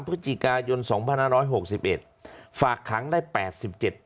พฤศจิกายนสองพันห้าร้อยหกสิบเอ็ดฝากขังได้แปดสิบเจ็ด